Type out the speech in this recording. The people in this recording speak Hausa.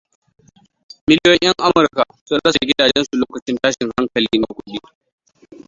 Miliyoyin 'yan Amurka sun rasa gidajen su lokacin tashin hankalin na kudi.